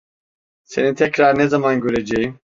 Seni tekrar ne zaman göreceğim?